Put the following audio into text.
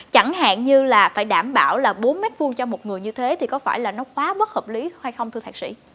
chẳng hạn như là phải đảm bảo là bốn m hai cho một người như thế thì có phải là nó quá bất hợp lý hay không thưa thạc sĩ